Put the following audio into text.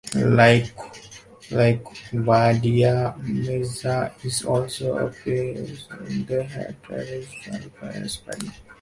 Like Wadia, Mirza is also a Parsi and they had a traditional Parsi wedding.